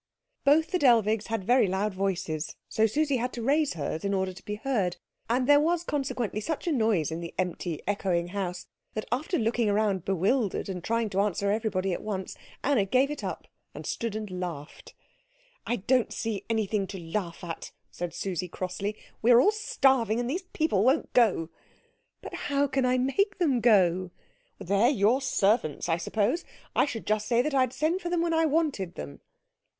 Both the Dellwigs had very loud voices, so Susie had to raise hers in order to be heard, and there was consequently such a noise in the empty, echoing house, that after looking round bewildered, and trying to answer everybody at once, Anna gave it up, and stood and laughed. "I don't see anything to laugh at," said Susie crossly, "we are all starving, and these people won't go." "But how can I make them go?" "They're your servants, I suppose. I should just say that I'd send for them when I wanted them."